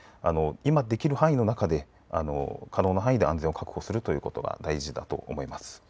今できる範囲の中で可能な範囲で安全を確保するということが大事だと思います。